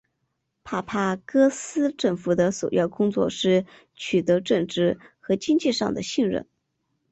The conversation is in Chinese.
帕帕戈斯政府的首要工作是取得政治和经济上的信任。